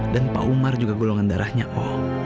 dan pak umar juga golongan darahnya oh